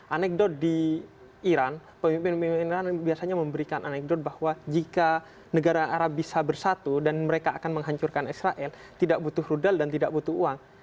anekdot di iran pemimpin pemimpin iran biasanya memberikan anekdot bahwa jika negara arab bisa bersatu dan mereka akan menghancurkan israel tidak butuh rudal dan tidak butuh uang